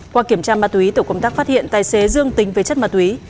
qua kiểm tra ma túy tổ công tác phát hiện tài xế dương tính với chất ma túy